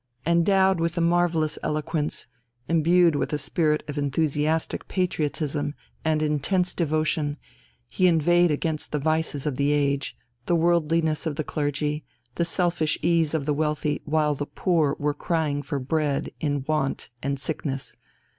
Endowed with a marvellous eloquence, imbued with a spirit of enthusiastic patriotism and intense devotion, he inveighed against the vices of the age, the worldliness of the clergy, the selfish ease of the wealthy while the poor were crying for bread in want and sickness.